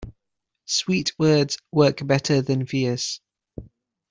Sweet words work better than fierce.